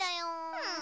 うん。